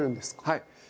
はい。